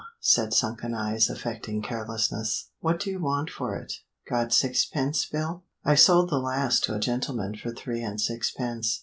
said sunken eyes affecting carelessness. "What do you want for it? Got sixpence, Bill?" "I sold the last to a gentleman for three and sixpence.